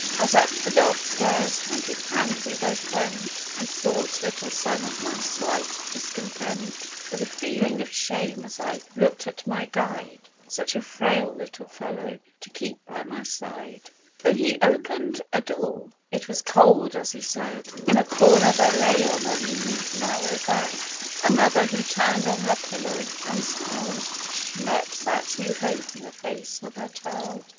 " As up the dark stairs, hand in hand we both went, I thought, little son, of my slight discontent With a feeling of shame, as I looked at my guide : Such a frail little fellow, to keep by my side ! 40 THE BOY AND HIS SLED. Then he opened a door ; it was cold, as he said ; In a corner there lay on a mean, narrow bed, A Mother, who turned on her pillow, and smiled As she met that new hope in the face of her child.